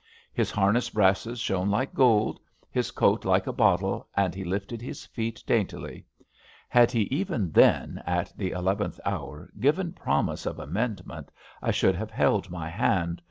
His harness brasses shone like gold, his coat like a bottle, and he lifted his feet daintily. Had he even then, at the eleventh hour, given promise of amendment, I should have held my hand.